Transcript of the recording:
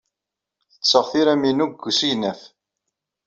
Ttetteɣ tiram-inu deg usegnaf.